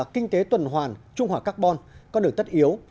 kinh tế tuần hoàn trung hòa carbon con đường tất yếu